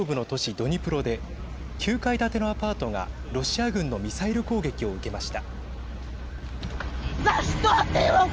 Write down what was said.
ドニプロで９階建てのアパートがロシア軍のミサイル攻撃を受けました。